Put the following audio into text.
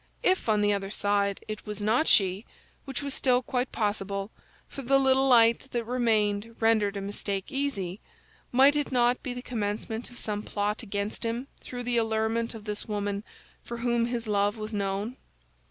If, on the other side, it was not she—which was still quite possible—for the little light that remained rendered a mistake easy—might it not be the commencement of some plot against him through the allurement of this woman, for whom his love was known?